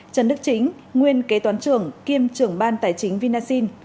trần đức chính nguyên kế toán trưởng kiêm trưởng ban tài chính vinasin